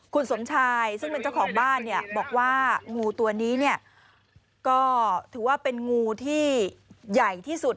คุณสมชายซึ่งเป็นเจ้าของบ้านเนี่ยบอกว่างูตัวนี้เนี่ยก็ถือว่าเป็นงูที่ใหญ่ที่สุด